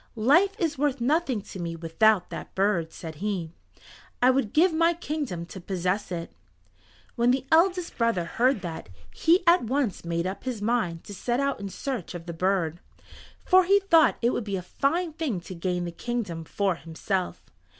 "Life is worth nothing to me without that bird," said he. "I would give my kingdom to possess it." When the eldest brother heard that, he at once made up his mind to set out in search of the bird, for he thought it would be a fine thing to gain the kingdom for himself.